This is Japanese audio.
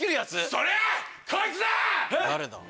それがこいつだ！